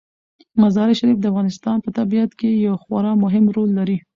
مزارشریف د افغانستان په طبیعت کې یو خورا مهم رول لري.